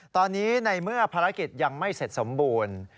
ตอนนี้ในเมื่อภารกิจยังไม่เสร็จสมบูรณ์